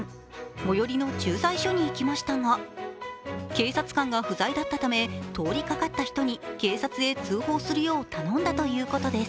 最寄りの駐在所にいきましたが、警察官が不在だったため、通りかかった人に警察に通報するよう頼んだということです。